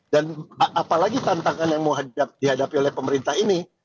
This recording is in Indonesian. dan apalagi tantangan yang mau dihadapi oleh pemerintah ini